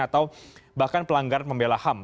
atau bahkan pelanggaran membela ham